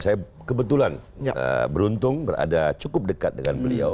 saya kebetulan beruntung berada cukup dekat dengan beliau